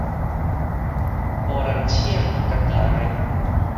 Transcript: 無人請，家己來